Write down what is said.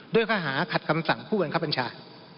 ด้วยค้าหาขัดคำสั่งผู้เงินครับอัญชา